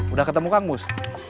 udah ketemu kang mus